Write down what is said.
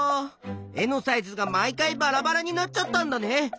絵のサイズが毎回バラバラになっちゃったんだね。